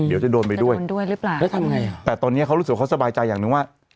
เดี๋ยวจะโดนไปด้วยโดนด้วยหรือเปล่าแล้วทำไงอ่ะแต่ตอนนี้เขารู้สึกว่าเขาสบายใจอย่างหนึ่งว่า